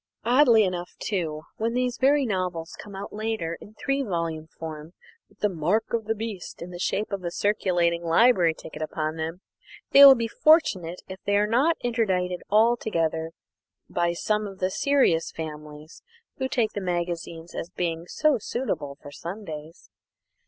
Oddly enough, too, when these very novels come out later in three volume form, with the "mark of the beast" in the shape of a circulating library ticket upon them, they will be fortunate if they are not interdicted altogether by some of the serious families who take in the magazines as being "so suitable for Sundays."